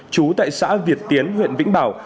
chú tại xã việt tiến huyện vĩnh bảo